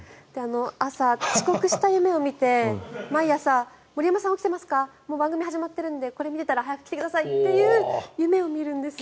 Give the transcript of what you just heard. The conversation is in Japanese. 朝、遅刻した夢を見て毎朝、森山さん起きてますか番組始まってるんでこれ見てたら早く来てくださいという夢を見るんです。